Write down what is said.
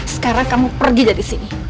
sekarang kamu pergi dari sini